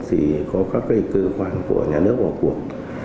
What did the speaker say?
thì có các cơ quan của nhà nước vào cuộc